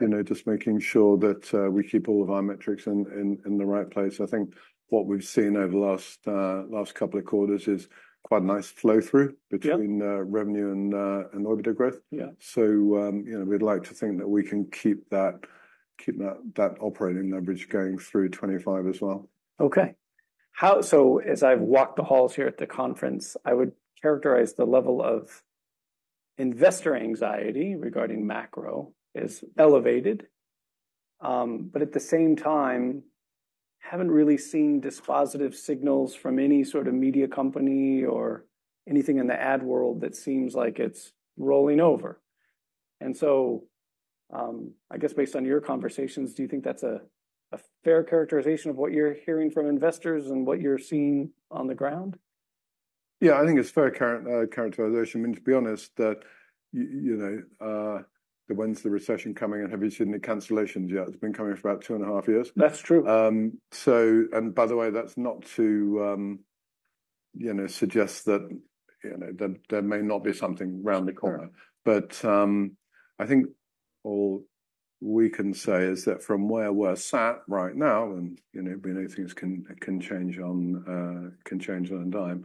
You know, just making sure that, we keep all of our metrics in the right place. I think what we've seen over the last couple of quarters is quite a nice flow through- Yeah between revenue and order growth. Yeah. You know, we'd like to think that we can keep that operating leverage going through 2025 as well. Okay. So as I've walked the halls here at the conference, I would characterize the level of investor anxiety regarding macro as elevated. But at the same time, haven't really seen dispositive signals from any sort of media company or anything in the ad world that seems like it's rolling over. And so, I guess based on your conversations, do you think that's a fair characterization of what you're hearing from investors and what you're seeing on the ground? Yeah, I think it's a fair characterization. I mean, to be honest, that you know, the when's the recession coming, and have you seen the cancellations yet? It's been coming for about two and a half years. That's true. And by the way, that's not to, you know, suggest that, you know, that there may not be something around the corner. Yeah. But I think all we can say is that from where we're sat right now, and you know, many things can change on a dime,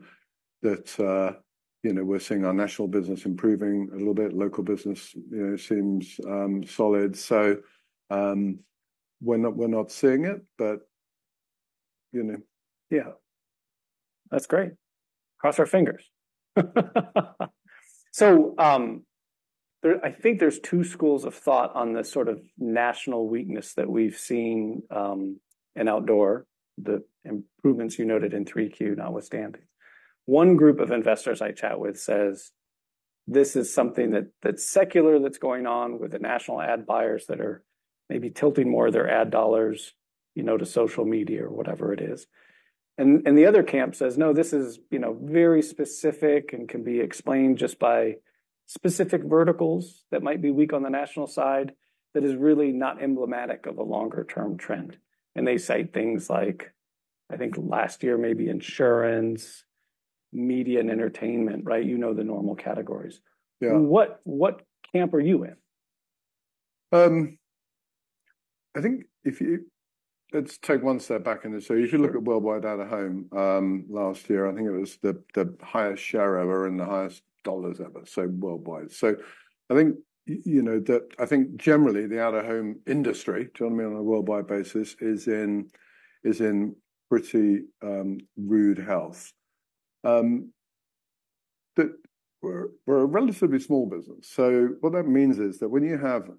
that you know, we're seeing our national business improving a little bit. Local business, you know, seems solid. So we're not seeing it, but you know. Yeah. That's great. Cross our fingers. So, I think there's two schools of thought on this sort of national weakness that we've seen in outdoor, the improvements you noted in 3Q notwithstanding. One group of investors I chat with says, "This is something that, that's secular, that's going on with the national ad buyers that are maybe tilting more of their ad dollars, you know, to social media or whatever it is." And, and the other camp says, "No, this is, you know, very specific and can be explained just by specific verticals that might be weak on the national side, that is really not emblematic of a longer-term trend." And they cite things like, I think last year, maybe insurance, media, and entertainment, right? You know, the normal categories. Yeah. What camp are you in? I think if you let's take one step back in this. So if you look at worldwide out-of-home, last year, I think it was the highest share ever and the highest dollars ever, so worldwide. So I think, you know, that I think generally the out-of-home industry, do you know what I mean, on a worldwide basis, is in pretty rude health. But we're a relatively small business, so what that means is that when you have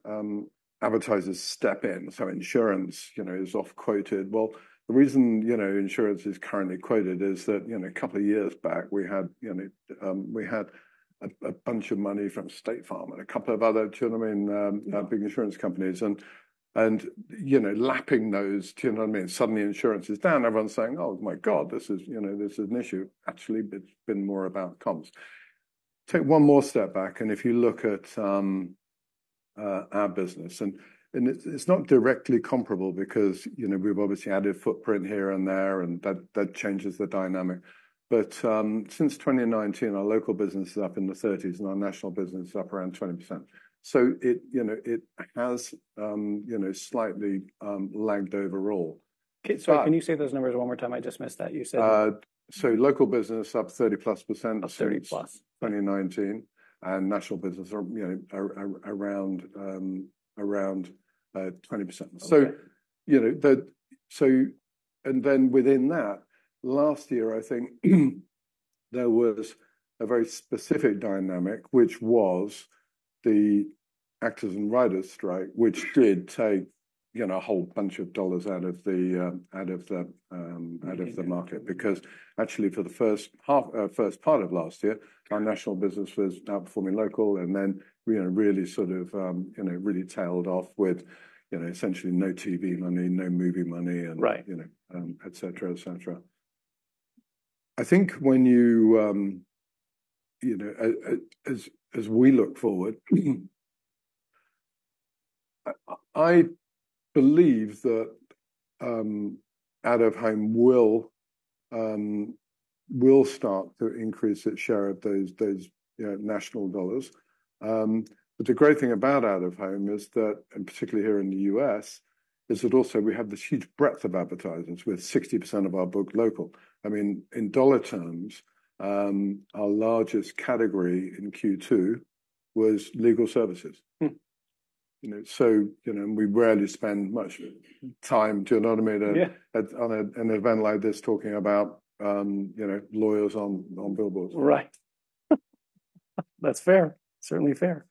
advertisers step in, so insurance, you know, is off-quoted. Well, the reason, you know, insurance is currently quoted is that, you know, a couple of years back, we had a bunch of money from State Farm and a couple of other, do you know what I mean. Yeah... big insurance companies and, you know, lapping those, do you know what I mean? Suddenly, insurance is down, everyone's saying: "Oh, my God, this is, you know, this is an issue." Actually, it's been more about comps. Take one more step back, and if you look at our business, and it's not directly comparable because, you know, we've obviously added footprint here and there, and that changes the dynamic. But, since twenty nineteen, our local business is up in the thirties, and our national business is up around 20%. So it, you know, it has, you know, slightly, lagged overall. Okay. Uh- Sorry, can you say those= numbers one more time? I just missed that. You said- So local business up 30%+. Up 30+. Since 2019, and national business are, you know, around 20%. Okay. So, you know, and then within that, last year, I think, there was a very specific dynamic, which was the actors and writers strike, which did take, you know, a whole bunch of dollars out of the Mm-hmm... out of the market. Because actually, for the first half, first part of last year- Got it... our national business was outperforming local, and then we, you know, really sort of, you know, really tailed off with, you know, essentially no TV money, no movie money, and- Right... you know, etc., etc. I think when you, you know, as we look forward, I believe that out-of-home will start to increase its share of those, you know, national dollars, but the great thing about out-of-home is that, and particularly here in the U.S., is that also we have this huge breadth of advertisers, with 60% of our book local. I mean, in dollar terms,` our largest category in Q2 was legal services. Mm. You know, so, you know, we rarely spend much time to automate a- Yeah... at an event like this, talking about, you know, lawyers on billboards. Right. That's fair. Certainly fair.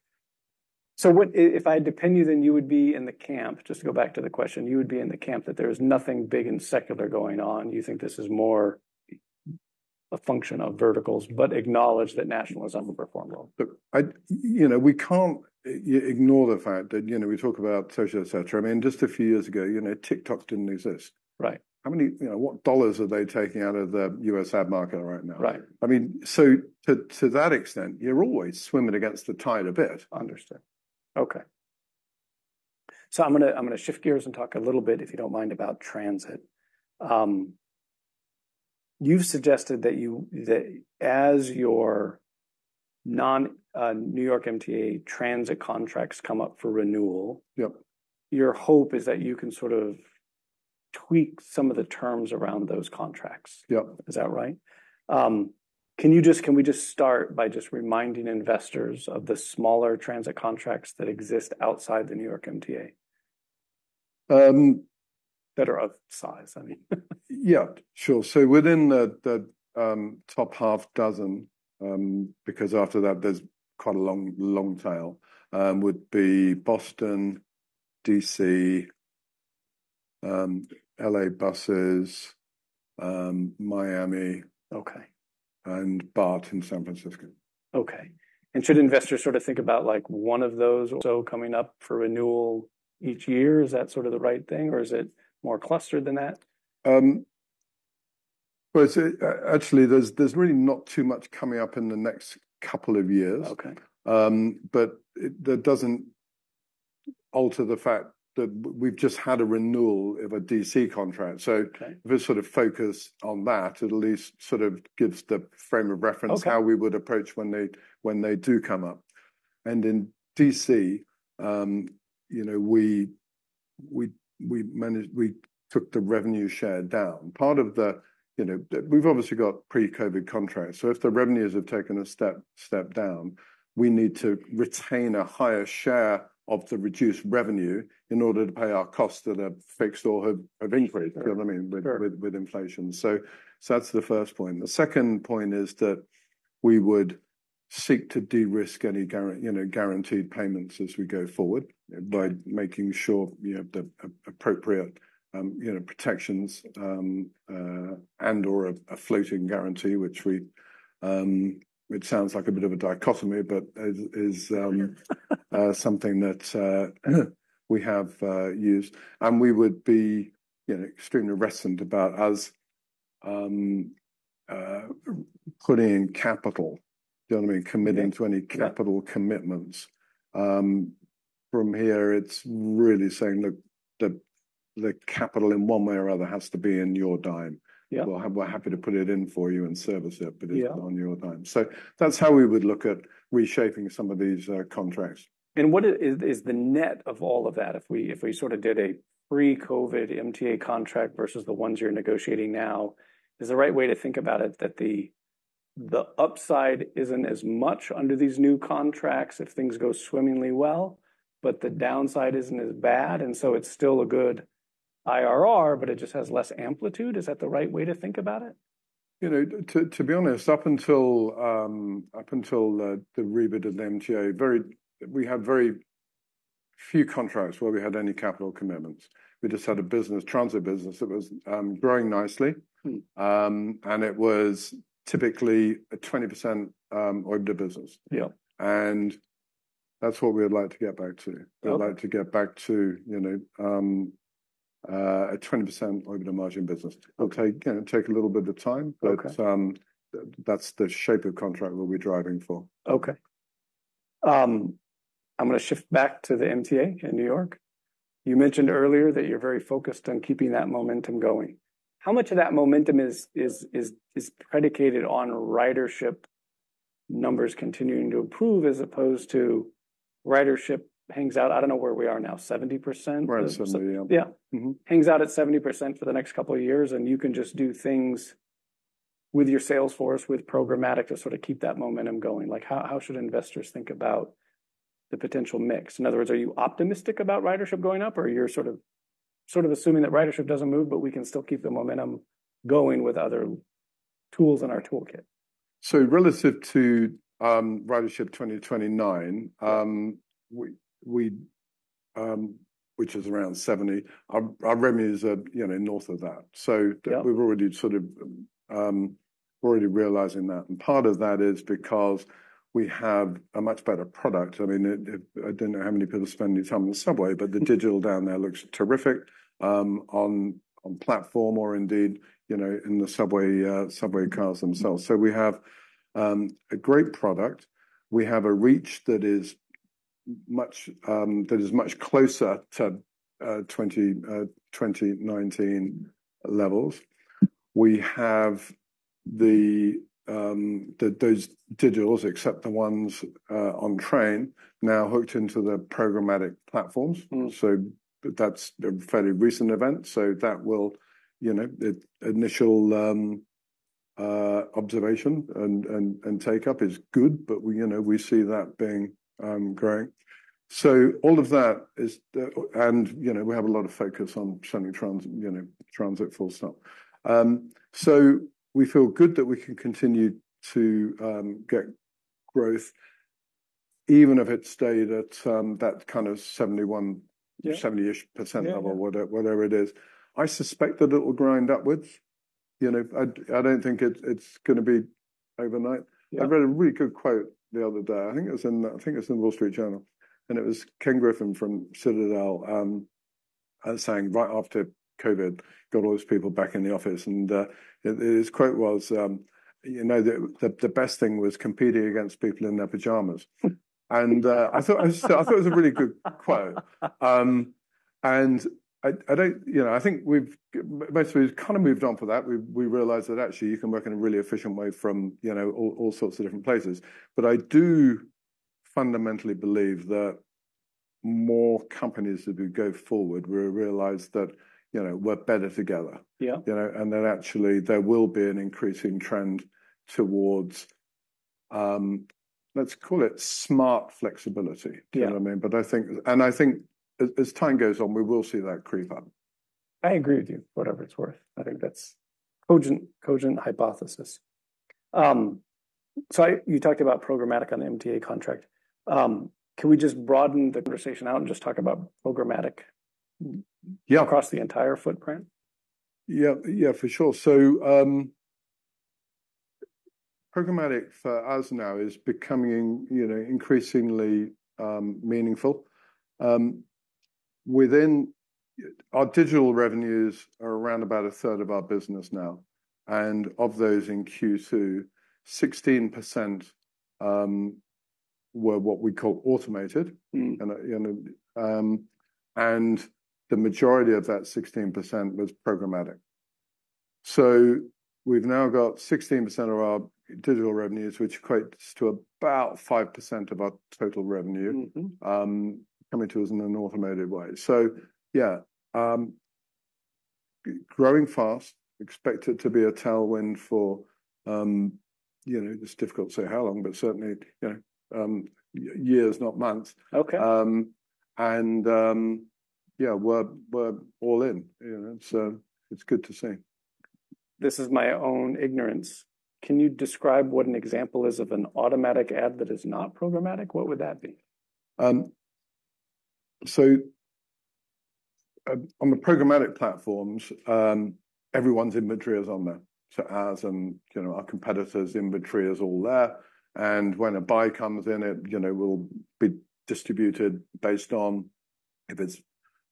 So what, if I had to pin you, then you would be in the camp, just to go back to the question, you would be in the camp that there is nothing big and secular going on. You think this is more a function of verticals, but acknowledge that national is underperformed well? But I, you know, we can't ignore the fact that, you know, we talk about social, et cetera. I mean, just a few years ago, you know, TikTok didn't exist. Right. How many, you know, what dollars are they taking out of the U.S. ad market right now? Right. I mean, so to that extent, you're always swimming against the tide a bit. Understood. Okay. So I'm gonna shift gears and talk a little bit, if you don't mind, about transit. You've suggested that as your non-New York MTA transit contracts come up for renewal. Yep. Your hope is that you can sort of tweak some of the terms around those contracts. Yep. Is that right? Can we just start by just reminding investors of the smaller transit contracts that exist outside the New York MTA? Um. That are of size, I mean. Yeah, sure. So within the top half dozen, because after that there's quite a long tail, would be Boston, DC, LA Buses, Miami- Okay... and BART in San Francisco. Okay. And should investors sort of think about, like, one of those or so coming up for renewal each year? Is that sort of the right thing, or is it more clustered than that? Well, it's actually, there's really not too much coming up in the next couple of years. Okay. But that doesn't alter the fact that we've just had a renewal of a DC contract. Okay. This sort of focus on that at least sort of gives the frame of reference. Okay... how we would approach when they, when they do come up, and in DC, you know, we managed. We took the revenue share down. Part of the, you know, we've obviously got pre-COVID contracts, so if the revenues have taken a step down, we need to retain a higher share of the reduced revenue in order to pay our costs that have fixed or have increased- Sure... you know what I mean- Sure... with inflation. So that's the first point. The second point is that we would seek to de-risk any guaranteed payments as we go forward by making sure we have the appropriate protections and/or a floating guarantee, which sounds like a bit of a dichotomy, but is something that we have used. And we would be, you know, extremely reticent about putting in capital, do you know what I mean? Yeah. Committing to any capital commitments. From here, it's really saying that the capital in one way or other has to be on your dime. Yeah. We're happy to put it in for you and service it. Yeah... but it's on your dime. So that's how we would look at reshaping some of these contracts. And what is, is the net of all of that? If we sort of did a pre-COVID MTA contract versus the ones you're negotiating now, is the right way to think about it, that the upside isn't as much under these new contracts if things go swimmingly well, but the downside isn't as bad, and so it's still a good IRR, but it just has less amplitude? Is that the right way to think about it? You know, to be honest, up until the rebid of the MTA, we had very few contracts where we had any capital commitments. We just had a business, transit business that was growing nicely. Mm. And it was typically a 20% OIBDA business. Yeah. That's what we would like to get back to. Yeah. We'd like to get back to, you know, a 20% OIBDA margin business. Okay. It'll take, you know, a little bit of time. Okay... but, that's the shape of contract we'll be driving for. Okay. I'm gonna shift back to the MTA in New York. You mentioned earlier that you're very focused on keeping that momentum going. How much of that momentum is predicated on ridership numbers continuing to improve, as opposed to ridership hangs out, I don't know where we are now, 70%? Around 70, yeah. Yeah. Mm-hmm. Hangs out at 70% for the next couple of years, and you can just do things with your sales force, with programmatic, to sort of keep that momentum going? Like, how, how should investors think about the potential mix? In other words, are you optimistic about ridership going up, or you're sort of, sort of assuming that ridership doesn't move, but we can still keep the momentum going with other tools in our toolkit? So relative to ridership 2029, which is around 70, our revenues are, you know, north of that. Yeah. So we've already sort of realizing that. And part of that is because we have a much better product. I mean, I don't know how many people spend any time on the subway, but the digital down there looks terrific, on platform, or indeed, you know, in the subway, subway cars themselves. So we have a great product. We have a reach that is much closer to 2019 levels. We have those digitals, except the ones on train, now hooked into the programmatic platforms. Mm. So that's a fairly recent event, so that will. You know, the initial observation and take-up is good, but we, you know, we see that being great. So all of that is. And, you know, we have a lot of focus on spending on transit full stop. So we feel good that we can continue to get growth even if it stayed at that kind of seventy-one- Yeah... 70-ish % level- Yeah... whatever, whatever it is. I suspect that it will grind upwards. You know, I don't think it's gonna be overnight. Yeah. I read a really good quote the other day. I think it was in Wall Street Journal, and it was Ken Griffin from Citadel saying right after COVID got all his people back in the office, and his quote was, "You know, the best thing was competing against people in their pajamas." I thought it was a really good quote and I don't, you know, I think we've basically kind of moved on from that. We realized that actually you can work in a really efficient way from, you know, all sorts of different places. But I do fundamentally believe that more companies, as we go forward, will realize that, you know, we're better together. Yeah. You know, and that actually there will be an increasing trend towards, let's call it smart flexibility. Yeah. You know what I mean? But I think... And I think as time goes on, we will see that creep up. I agree with you, whatever it's worth. I think that's a cogent hypothesis, so you talked about programmatic on the MTA contract. Can we just broaden the conversation out and just talk about programmatic- Yeah... across the entire footprint? Yeah, yeah, for sure. So, programmatic for us now is becoming, you know, increasingly meaningful. Our digital revenues are around about a third of our business now, and of those in Q2, 16% were what we call automated. Mm. And, you know, and the majority of that 16% was programmatic. So we've now got 16% of our digital revenues, which equates to about 5% of our total revenue. Mm-hmm... coming to us in an automated way. So yeah, growing fast, expected to be a tailwind for, you know, it's difficult to say how long, but certainly, you know, years, not months. Okay. Yeah, we're all in. You know, so it's good to see. This is my own ignorance. Can you describe what an example is of an automatic ad that is not programmatic? What would that be? So, on the programmatic platforms, everyone's inventory is on there. So ours and, you know, our competitors' inventory is all there, and when a buy comes in, it, you know, will be distributed based on if it's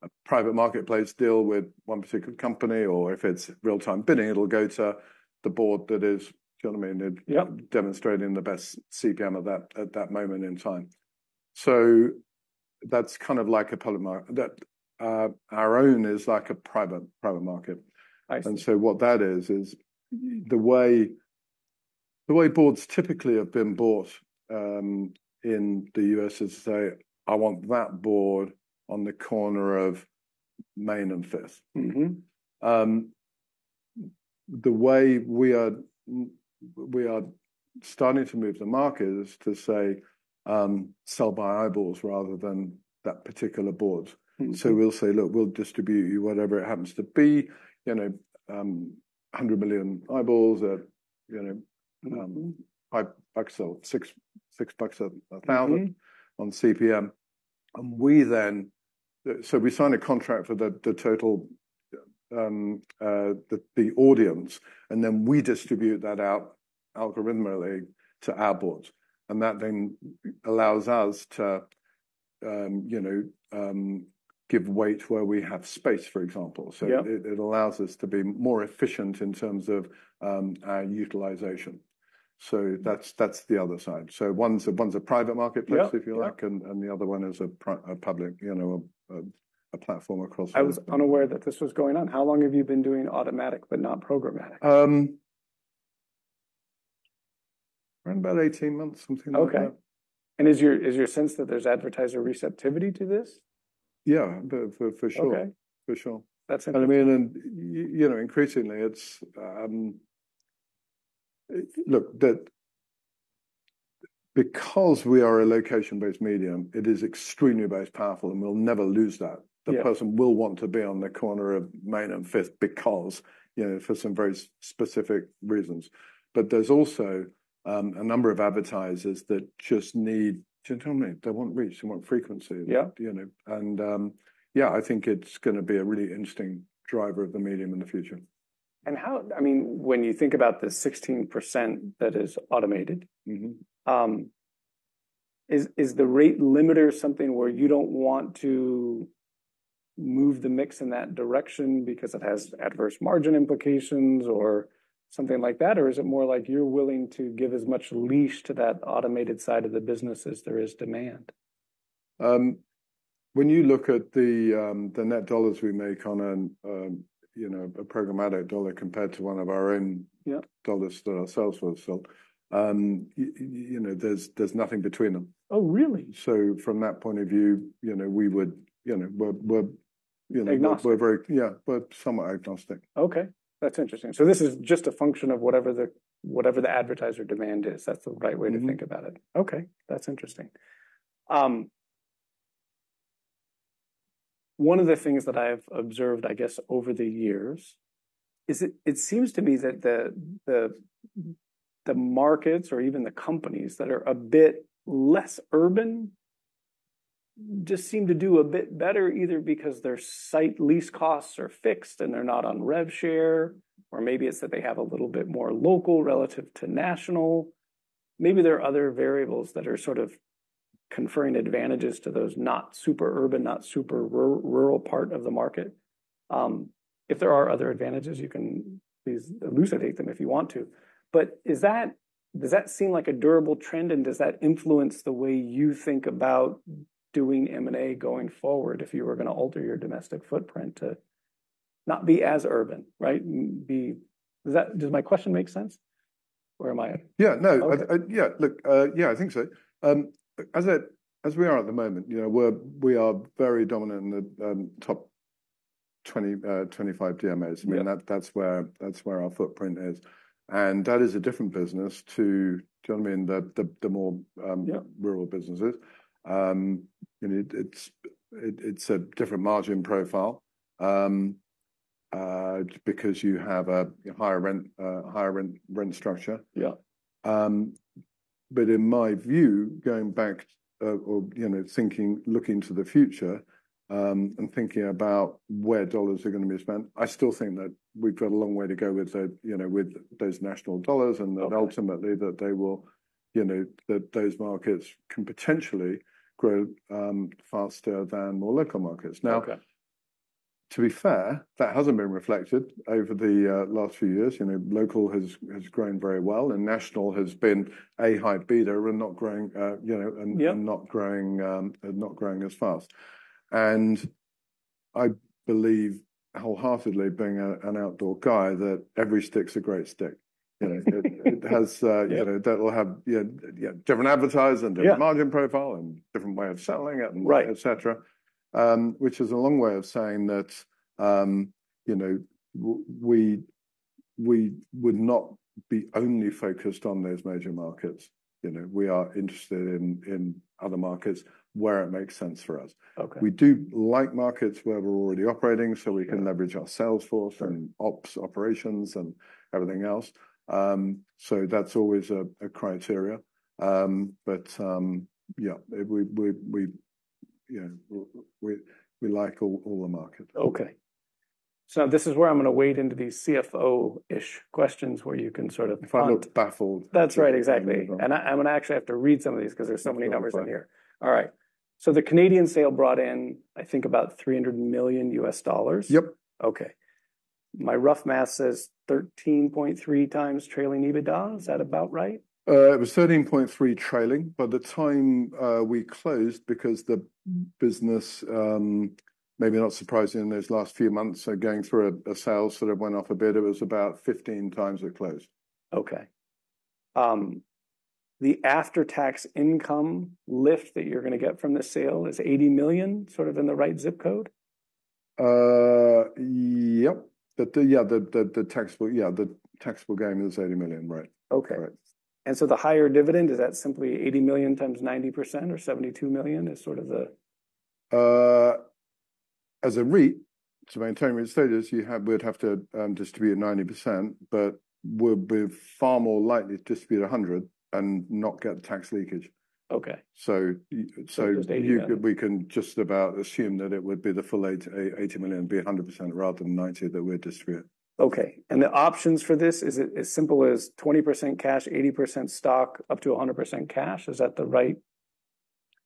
a private marketplace deal with one particular company, or if it's real-time bidding, it'll go to the board that is... Do you know what I mean? Yep. Demonstrating the best CPM at that moment in time. So that's kind of like a public market, that our own is like a private market. I see. What that is is the way boards typically have been bought in the US: say, "I want that board on the corner of Main and Fifth. Mm-hmm. The way we are starting to move the market is to say, sell by eyeballs rather than that particular board. Mm-hmm. So we'll say: Look, we'll distribute you whatever it happens to be, you know, 100 million eyeballs at, you know, $5 or $6 a thousand- Mm... on CPM. So we sign a contract for the total audience, and then we distribute that out algorithmically to our boards, and that then allows us to, you know, give weight where we have space, for example. Yeah. So it allows us to be more efficient in terms of our utilization. So that's the other side. So one's a private marketplace- Yep, yep... if you like, and the other one is a public, you know, a platform across- I was unaware that this was going on. How long have you been doing automatic but not programmatic? Around about eighteen months, something like that. Okay. And is your sense that there's advertiser receptivity to this? Yeah, for sure. Okay. For sure. That's interesting. But I mean, you know, increasingly, it's. Look, because we are a location-based medium, it is extremely very powerful, and we'll never lose that. Yeah. The person will want to be on the corner of Main and 5th because, you know, for some very specific reasons. But there's also, a number of advertisers that just need... Do you know what I mean? They want reach, they want frequency. Yeah. You know, and, yeah, I think it's gonna be a really interesting driver of the medium in the future. And how... I mean, when you think about the 16% that is automated- Mm-hmm... is the rate limiter something where you don't want to move the mix in that direction because it has adverse margin implications or something like that? Or is it more like you're willing to give as much leash to that automated side of the business as there is demand? When you look at the net dollars we make on a, you know, a programmatic dollar compared to one of our own- Yeah... dollars that are salesman sold, you know, there's nothing between them. Oh, really? So from that point of view, you know, we would, you know, we're, you know- Agnostic... we're very, yeah, we're somewhat agnostic. Okay, that's interesting. So this is just a function of whatever the advertiser demand is. That's the right way to think about it. Mm-hmm. Okay, that's interesting. One of the things that I've observed, I guess, over the years, is it seems to me that the markets or even the companies that are a bit less urban just seem to do a bit better, either because their site lease costs are fixed and they're not on rev share, or maybe it's that they have a little bit more local relative to national. Maybe there are other variables that are sort of conferring advantages to those not super urban, not super rural part of the market. If there are other advantages, you can please elucidate them if you want to. But is that, does that seem like a durable trend, and does that influence the way you think about doing M&A going forward, if you were gonna alter your domestic footprint to not be as urban, right? Does my question make sense, or am I- Yeah, no. Okay. Yeah, I think so. As we are at the moment, you know, we are very dominant in the top 20-25 DMAs. Yeah. I mean, that's where our footprint is, and that is a different business too. Do you know what I mean, the more Yeah... rural businesses. You know, it's a different margin profile because you have a higher rent, rent structure. Yeah. But in my view, going back, you know, thinking, looking to the future, and thinking about where dollars are gonna be spent, I still think that we've got a long way to go with the, you know, with those national dollars. Okay. That ultimately, that they will, you know, that those markets can potentially grow faster than more local markets. Okay. Now, to be fair, that hasn't been reflected over the last few years. You know, local has grown very well, and national has been a high beta and not growing, you know- Yeah... and not growing as fast. I believe wholeheartedly, being an outdoor guy, that every stick's a great stick. You know, it has Yeah... you know, that'll have, yeah, yeah, different advertising- Yeah... different margin profile and different way of selling it- Right... et cetera. Which is a long way of saying that, you know, we would not be only focused on those major markets. You know, we are interested in other markets where it makes sense for us. Okay. We do like markets where we're already operating, so we- Yeah... can leverage our sales force and- Sure... ops, operations, and everything else. So that's always a criteria. But yeah, you know, we like all the markets. Okay. So this is where I'm gonna wade into these CFO-ish questions, where you can sort of- If I look baffled. That's right. Exactly. Yeah. I, I'm gonna actually have to read some of these 'cause there's so many numbers on here. Okay. All right, so the Canadian sale brought in, I think, about $300 million. Yep. Okay. My rough math says 13.3x trailing EBITDA. Is that about right? It was 13.3 trailing. By the time we closed, because the business, maybe not surprisingly, in those last few months, going through a sale, sort of went off a bit. It was about 15x or close. Okay. The after-tax income lift that you're gonna get from this sale is $80 million, sort of in the right zip code? Yep. The taxable gain is $80 million. Right. Okay. Right. And so the higher dividend, is that simply $80 million times 90% or $72 million, is sort of the- As a REIT, to maintain REIT status, we'd have to distribute 90%, but we're far more likely to distribute 100% and not get the tax leakage. Okay. So So it's $80 million.... we can just about assume that it would be the full $880 million, be 100%, rather than 90%, that we'd distribute. Okay. And the options for this, is it as simple as 20% cash, 80% stock, up to a 100% cash? Is that the right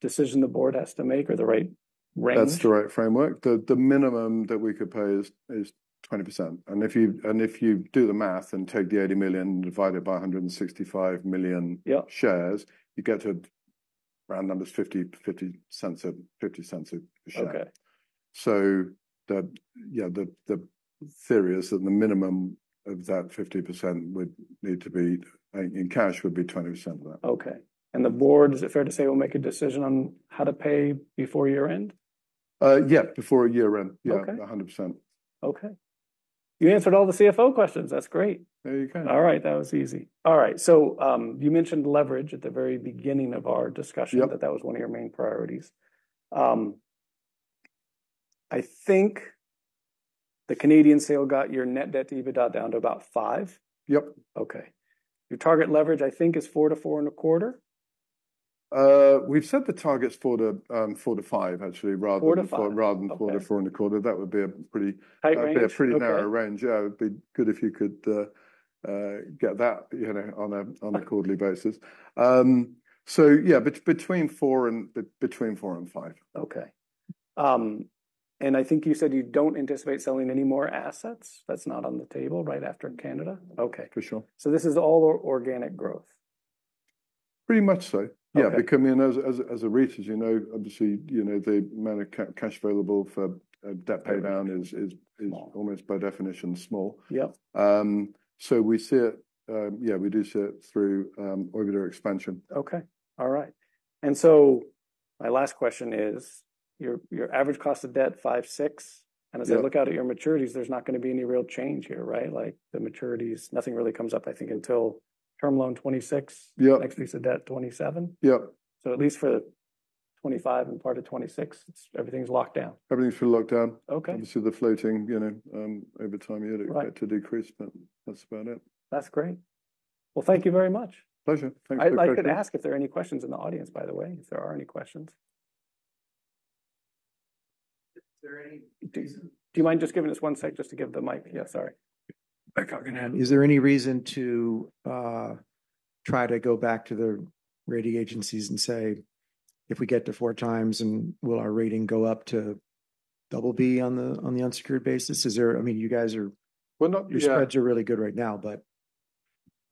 decision the board has to make or the right range? That's the right framework. The minimum that we could pay is 20%. And if you do the math and take the $80 million and divide it by 165 million- Yep... shares, you get to round numbers, $0.50 a share. Okay. The theory is that the minimum of that 50% would need to be in cash, would be 20% of that. Okay. And the board, is it fair to say, will make a decision on how to pay before year-end? Yeah, before year-end. Okay. Yeah, 100%. Okay. You answered all the CFO questions. That's great. There you go. All right, that was easy. All right, so, you mentioned leverage at the very beginning of our discussion- Yep... that that was one of your main priorities. I think the Canadian sale got your net debt to EBITDA down to about five. Yep. Okay. Your target leverage, I think, is 4 to 4.25? We've set the targets four to four to five, actually, rather than- Four to five. Rather than 4 to 4.25. Okay. That would be a pretty- High range... that'd be a pretty narrow range. Yeah, it would be good if you could get that, you know- Okay... on a quarterly basis. So yeah, between four and five. Okay, and I think you said you don't anticipate selling any more assets, that's not on the table, right after Canada? Mm-hmm. Okay. For sure. So this is all organic growth? Pretty much so. Okay. Yeah, because I mean, as a REIT, as you know, obviously, you know, the amount of cash available for debt payback- Mm-hmm... is Small... almost by definition, small. Yep. So we see it, yeah, we do see it through organic expansion. Okay. All right. And so my last question is, your average cost of debt, five six? Yeah. As I look out at your maturities, there's not gonna be any real change here, right? Like, the maturities, nothing really comes up, I think, until term loan 2026. Yep. Next piece of debt, 2027. Yep. At least for 2025 and part of 2026, everything's locked down. Everything feels locked down. Okay. Obviously, the floating, you know, over time, you'd expect- Right... it to decrease, but that's about it. That's great. Well, thank you very much. Pleasure. Thank you- I'd like to ask if there are any questions in the audience, by the way, if there are any questions? Is there any decent- Do you mind just giving us one sec just to give the mic? Yeah, sorry. I go ahead. Is there any reason to try to go back to the rating agencies and say if we get to four times, and will our rating go up to BB on the unsecured basis? Is there I mean, you guys are- Not yet. Your spreads are really good right now, but-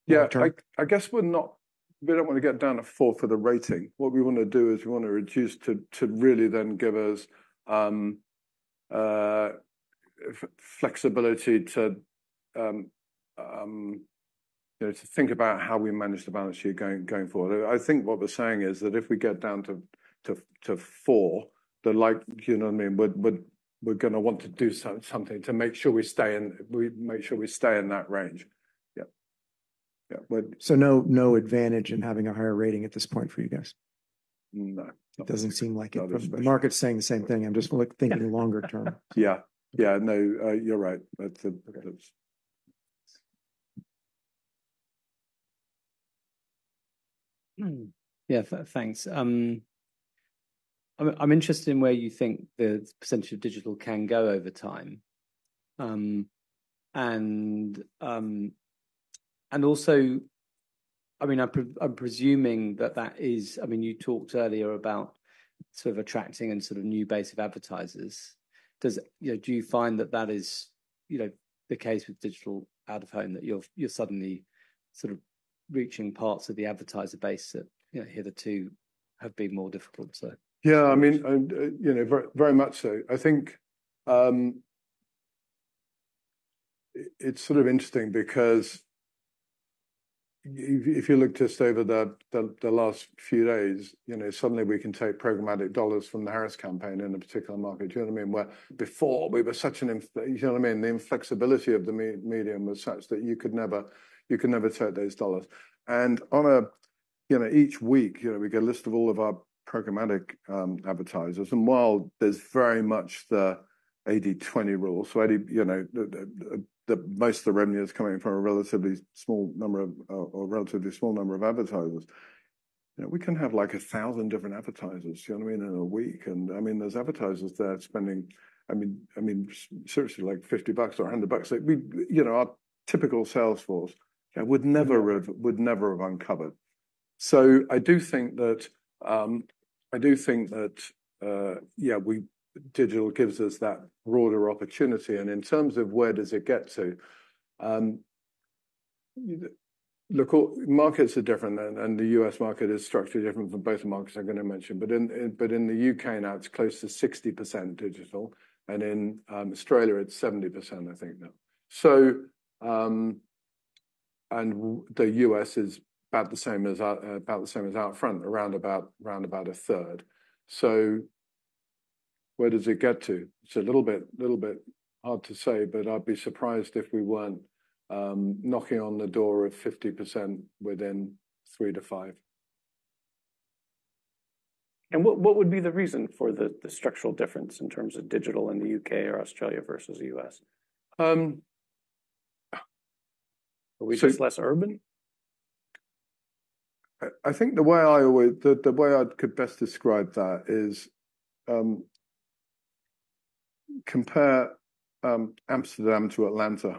Yeah, I guess we're not—we don't wanna get down to four for the rating. What we wanna do is we want to reduce to really then give us flexibility to, you know, to think about how we manage the balance sheet going forward. I think what we're saying is that if we get down to four, like, you know what I mean? We're gonna want to do something to make sure we stay in, we make sure we stay in that range. Yeah. Yeah, but- So no, no advantage in having a higher rating at this point for you guys? No. It doesn't seem like it. Not as such. The market's saying the same thing. I'm just like thinking longer term. Yeah. Yeah, no, you're right. It's... Okay. Hmm, yeah, thanks. I'm interested in where you think the percentage of digital can go over time. And also, I mean, I'm presuming that that is. I mean, you talked earlier about sort of attracting a sort of new base of advertisers. Does, you know, do you find that that is, you know, the case with digital out-of-home, that you're suddenly sort of reaching parts of the advertiser base that, you know, hitherto have been more difficult, so? Yeah, I mean, and, you know, very, very much so. I think, it's sort of interesting because if you look just over the last few days, you know, suddenly we can take programmatic dollars from the Harris campaign in a particular market. Do you know what I mean? You know what I mean? The inflexibility of the medium was such that you could never, you could never take those dollars. And each week, you know, we get a list of all of our programmatic advertisers, and while there's very much the eighty-twenty rule, so eighty, you know, the most of the revenue is coming from a relatively small number of advertisers. You know, we can have, like, 1,000 different advertisers, you know what I mean, in a week, and I mean, there's advertisers that are spending, I mean, seriously, like, $50 or $100. Like we, you know, our typical sales force, yeah, would never have uncovered. So I do think that, yeah, we, digital gives us that broader opportunity, and in terms of where does it get to, look, all markets are different, and the U.S. market is structurally different from both the markets I'm gonna mention. But in the U.K. now, it's close to 60% digital, and in Australia, it's 70%, I think now. So, the U.S. is about the same as OUTFRONT, around about a third. So where does it get to? It's a little bit hard to say, but I'd be surprised if we weren't knocking on the door of 50% within three to five. What would be the reason for the structural difference in terms of digital in the U.K. or Australia versus the U.S.? Um... Are we just less urban? I think the way I could best describe that is to compare Amsterdam to Atlanta.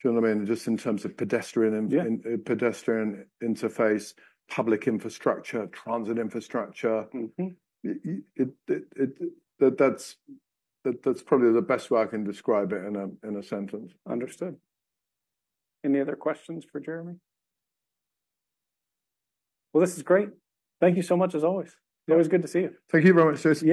Do you know what I mean? Just in terms of pedestrian and- Yeah... pedestrian interface, public infrastructure, transit infrastructure. Mm-hmm. That's probably the best way I can describe it in a sentence. Understood. Any other questions for Jeremy? Well, this is great. Thank you so much, as always. Yeah. It's always good to see you. Thank you very much, Jason.